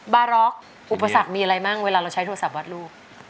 บาร็อกอุปสรรคมีอะไรบ้างเวลาเราใช้โทรศัพท์วัดลูก